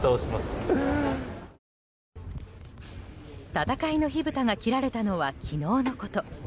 戦いの火ぶたが切られたのは昨日のこと。